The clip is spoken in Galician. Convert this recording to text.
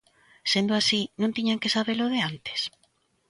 Sendo así, non tiñan que sabelo de antes?